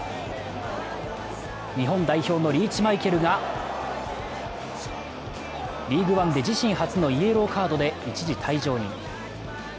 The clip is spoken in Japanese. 日本代表のリーチマイケルがＬＥＡＧＵＥＯＮＥで自身初のイエローカードで一時退場に。